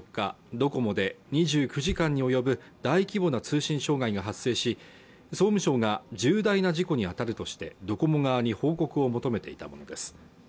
ドコモで２９時間に及ぶ大規模な通信障害が発生し総務省が重大な事故に当たるとしてドコモ側に報告を求めていたものです